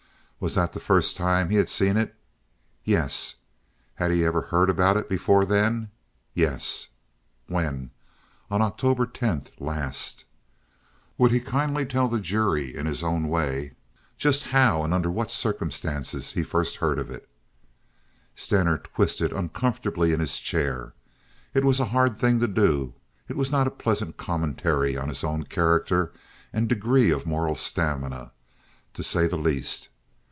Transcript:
Was that the first time he had seen it? Yes. Had he ever heard about it before then? Yes. When? On October 10th last. Would he kindly tell the jury in his own way just how and under what circumstances he first heard of it then? Stener twisted uncomfortably in his chair. It was a hard thing to do. It was not a pleasant commentary on his own character and degree of moral stamina, to say the least.